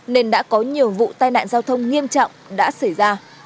nên đã có nhiều vụ tai nạn giao thông nghiêm trọng